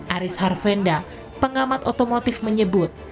aris harvenda pengamat otomotif menyebut